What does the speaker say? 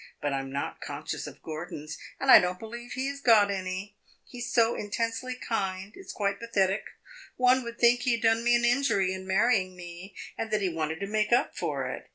But I 'm not conscious of Gordon's, and I don't believe he has got any. He 's so intensely kind; it 's quite pathetic. One would think he had done me an injury in marrying me, and that he wanted to make up for it.